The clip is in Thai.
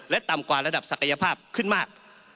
ต่ำกว่าระดับศักยภาพขึ้นมาก